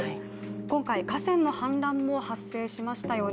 今回、河川の氾濫も発生しましたよね。